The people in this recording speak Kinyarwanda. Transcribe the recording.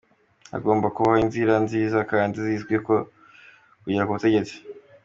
Hagomba kubaho inzira nziza kandi zizwi zo kugera ku butegetsi.